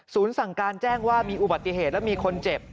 สั่งการแจ้งว่ามีอุบัติเหตุและมีคนเจ็บ